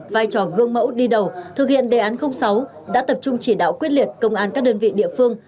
vai trò gương mẫu đi đầu thực hiện đề án sáu đã tập trung chỉ đạo quyết liệt công an các đơn vị địa phương